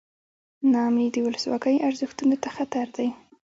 نا امني د ولسواکۍ ارزښتونو ته خطر دی.